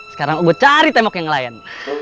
sekarang gue cari tembok yang lain